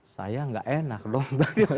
saya tidak enak dong